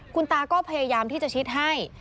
คุณตาก็พยายามที่จะชิดให้